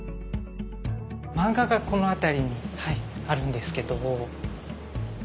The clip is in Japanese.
漫画がこの辺りにあるんですけど。